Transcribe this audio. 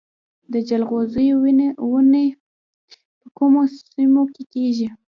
د جلغوزیو ونې په کومو سیمو کې کیږي؟